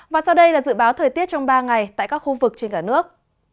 và sau đây là dự báo thời tiết trong ba ngày tại các khu vực trên cả nước